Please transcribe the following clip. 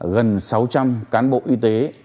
gần sáu trăm linh cán bộ y tế